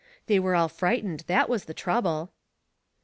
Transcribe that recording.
They were all fright ened, that was the trouble."